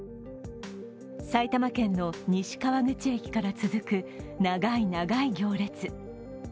埼玉県の西川口駅から続く長い長い行列。